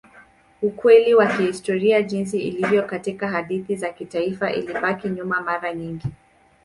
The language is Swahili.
Ukweli wa kihistoria jinsi ilivyo katika hadithi za kitaifa ilibaki nyuma mara nyingi.